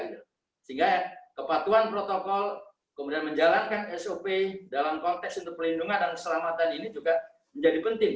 sehingga kepatuan protokol kemudian menjalankan sop dalam konteks untuk perlindungan dan keselamatan ini juga menjadi penting